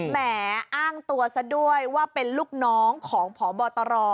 แหมอ้างตัวซะด้วยว่าเป็นลูกน้องของพบตร